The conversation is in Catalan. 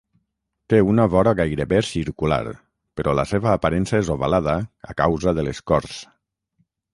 Té una vora gairebé circular, però la seva aparença és ovalada a causa de l'escorç.